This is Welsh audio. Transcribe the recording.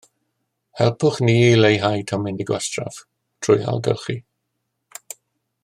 Helpwch ni i leihau tomenni gwastraff drwy ailgylchu